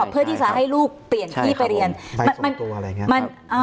เพื่อที่สามารถให้ลูกเปลี่ยนที่ไปเรียนใช่ครับผมใบส่งตัวอะไรอย่างเงี้ยครับ